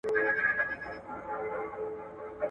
د دې ناروا عمل په وړاندې غږ پورته کړئ.